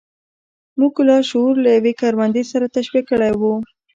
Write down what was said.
موږ لاشعور له يوې کروندې سره تشبيه کړی و.